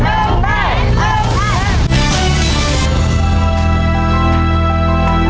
ได้ได้ได้